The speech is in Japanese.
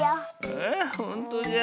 ああほんとじゃ。